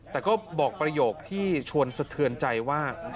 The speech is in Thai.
แต่ก็บอกประโยคที่ชวนสะเทือนใจว่า